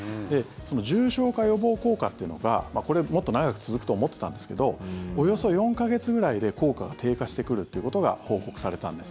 その重症化予防効果っていうのがこれ、もっと長く続くと思ってたんですけどおよそ４か月くらいで効果が低下してくるということが報告されたんです。